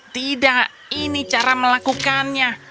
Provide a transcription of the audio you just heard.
tidak ini cara melakukannya